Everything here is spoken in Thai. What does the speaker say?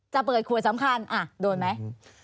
จะเปิดขวดสำคัญโดนไหม